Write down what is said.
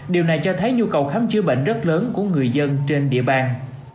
điều này cho thấy nhu cầu khám chữa bệnh rất lớn của người dân trên địa bàn